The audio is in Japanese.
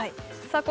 さあ